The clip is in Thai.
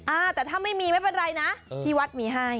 อ่าแต่ถ้าไม่มีไม่เป็นไรนะที่วัดมีให้